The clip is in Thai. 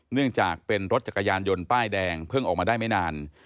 เนื่องจากเป็นรถจักรยานยนต์ป้ายแดงเพิ่งออกมาได้ไม่นาน